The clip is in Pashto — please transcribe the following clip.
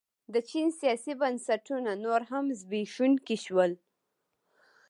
د چین سیاسي بنسټونه نور هم زبېښونکي شول.